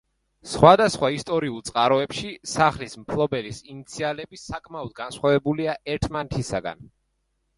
სხვადასხვა ისტორიულ წყაროებში სახლის მფლობელის ინიციალები საკმაოდ განსხვავებულია ერთმანეთისაგან.